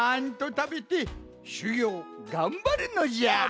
たべてしゅぎょうがんばるのじゃ！